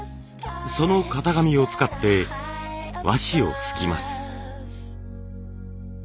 その型紙を使って和紙をすきます。